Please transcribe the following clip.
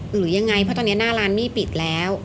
หรือยังไงเพราะตอนนี้หน้าร้านนี่ปิดแล้ว